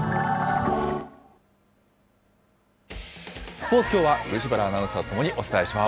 スポーツ、きょうは漆原アナウンサーと共にお伝えします。